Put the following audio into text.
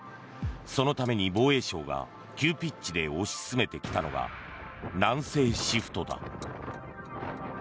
そのために防衛省が急ピッチで推し進めてきたのが南西シフトだ。